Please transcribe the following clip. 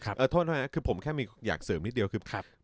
คือคืออ่ะโทษนะนะคือผมแค่อยากเซิร์มนิดเดียวนะครับ